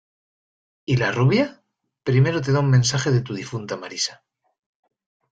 ¿ y la rubia? primero te da un mensaje de tu difunta Marisa